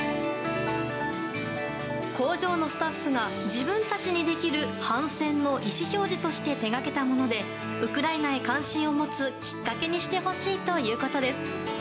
工場のスタッフが自分たちにできる反戦の意思表示として手掛けたものでウクライナへ関心を持つきっかけにしてほしいということです。